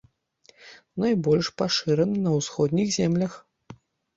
Найбольш пашыраны на ўсходніх землях.